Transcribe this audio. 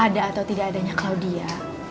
ada atau tidak adanya claudia